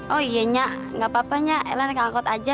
oh iya nya gak apa apa nya nela naik angkut aja